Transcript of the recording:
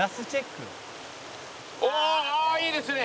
おおいいですね！